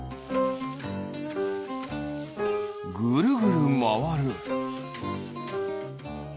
ぐるぐるまわる。